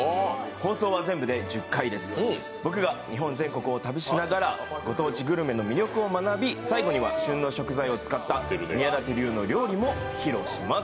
放送は全部で１０回です、僕が日本全国を旅しながらご当地グルメの魅力を学び、最後には旬の食材を使った宮舘流の料理も披露します。